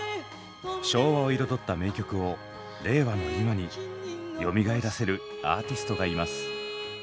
昭和を彩った名曲を令和の今によみがえらせるアーティストがいます。